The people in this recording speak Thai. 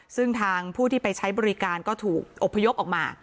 ซึ่งทางผู้ที่ไปใช้บริการก็ถูกอบพยพออกมา